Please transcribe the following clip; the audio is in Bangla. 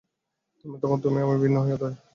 তখন তুমি ও আমি ভিন্ন হইয়া যাই।